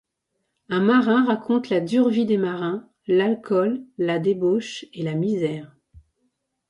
Un marin raconte la dure vie des marins, l’alcool, la débauche et la misère.